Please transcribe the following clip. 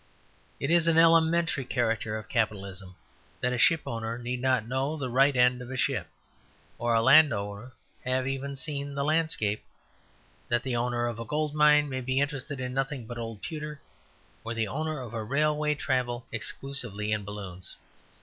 It is an elementary character of Capitalism that a shipowner need not know the right end of a ship, or a landowner have even seen the landscape, that the owner of a goldmine may be interested in nothing but old pewter, or the owner of a railway travel exclusively in balloons.